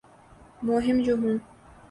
مہم جو ہوں